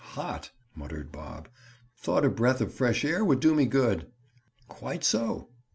"Hot," muttered Bob. "Thought a breath of fresh air would do me good." "Quite so.